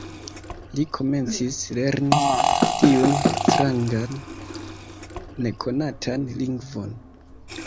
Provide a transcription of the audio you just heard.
Li komencis lerni tiun strangan nekonatan lingvon.